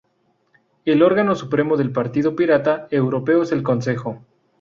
El órgano supremo del Partido Pirata Europeo es el Consejo.